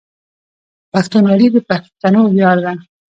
پښتونولي د پښتنو ویاړ ده.